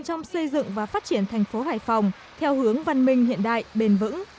trong xây dựng và phát triển thành phố hải phòng theo hướng văn minh hiện đại bền vững